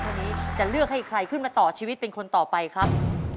วันนี้จะเลือกให้ใครขึ้นมาต่อชีวิตเป็นคนต่อไปครับ